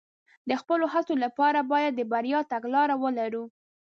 د خپلو هڅو لپاره باید د بریا تګلاره ولرو.